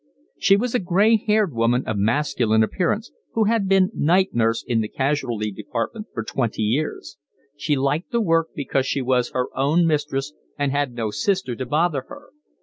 She was a gray haired woman of masculine appearance, who had been night nurse in the casualty department for twenty years. She liked the work because she was her own mistress and had no sister to bother her.